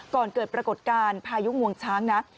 เกิดปรากฏการณ์พายุงวงช้างนะ